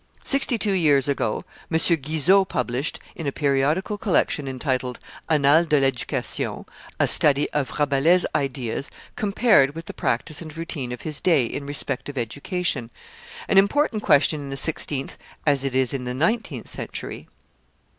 Sixty two years ago M. Guizot published, in a periodical collection entitled Annales de l'Education, a Study of Rabelais' ideas compared with the practice and routine of his day in respect of Education; an important question in the sixteenth as it is in the nineteenth century.